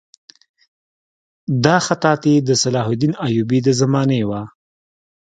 دا خطاطي د صلاح الدین ایوبي د زمانې وه.